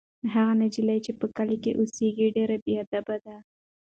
هغه نجلۍ چې په کلي کې اوسیږي ډېره باادبه ده.